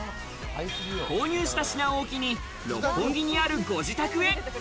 購入した品を置きに、六本木にあるご自宅へ。